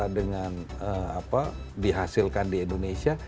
dengan dihasilkan di indonesia